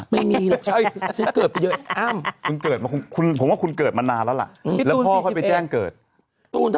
ไม่มีเลยใช่เกิดมานานแล้วล่ะแล้วพ่อก็พี่แก้งเกิดโทร